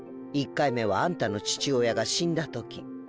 １回目はあんたの父親が死んだ時。